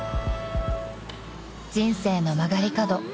［人生の曲がり角